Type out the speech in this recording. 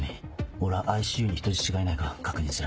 俺はＩＣＵに人質がいないか確認する。